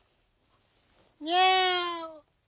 ニャーオ。